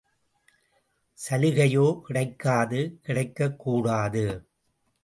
சலுகையோ கிடைக்காது கிடைக்கக்கூடாது.